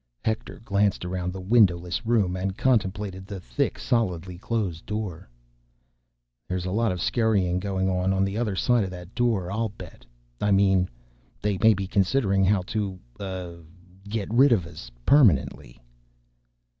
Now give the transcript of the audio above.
Hector glanced around the windowless room and contemplated the thick, solidly closed door. "There's a lot of scurrying going on on the other side of that door, I'll bet. I mean ... they may be considering how to, uh, get rid of us ... permanently."